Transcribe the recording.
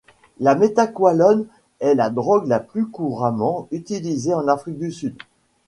La méthaqualone est la drogue la plus couramment utilisée en Afrique du Sud.